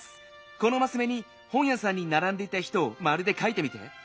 このマスめにほんやさんにならんでいた人をまるでかいてみて。